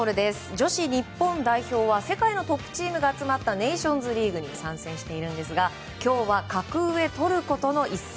女子日本代表は世界のトップチームが集まったネーションズリーグに参戦しているんですが今日は格上トルコとの一戦。